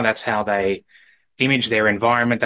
itulah cara mereka menggambarkan alam mereka